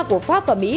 của pháp và mỹ